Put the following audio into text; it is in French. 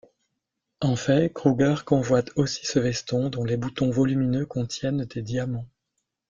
En fait, Kruger convoite aussi ce veston, dont les boutons volumineux contiennent des diamants.